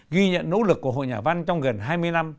ghi nhận nỗ lực của hội nhà văn trong gần hai mươi năm